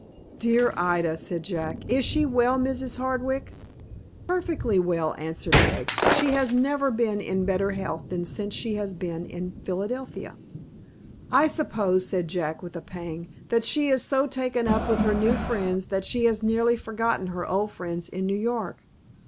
"Dear Ida!" said Jack. "Is she well, Mrs. Hardwick?" "Perfectly well," answered Peg. "She has never been in better health than since she has been in Philadelphia." "I suppose," said Jack, with a pang, "that she is so taken up with her new friends that she has nearly forgotten her old friends in New York."